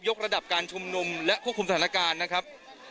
กระดับการชุมนุมและควบคุมสถานการณ์นะครับ